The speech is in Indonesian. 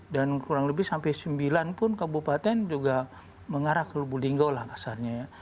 dan kurang lebih sampai sembilan pun kabupaten juga mengarah ke lubuk linggo lah asalnya ya